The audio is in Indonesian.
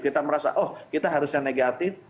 kita merasa oh kita harus yang negatif